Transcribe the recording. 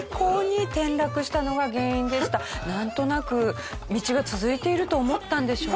なんとなく道が続いていると思ったんでしょうね。